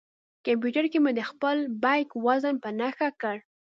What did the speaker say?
کمپیوټر کې مې د خپل بیک وزن په نښه کړ.